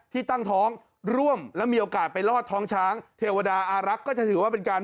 ที่ตั้งท้องร่วมและมีโอกาสไปลอดท้องช้างเทวดาอารักษ์ก็จะถือว่าเป็นการ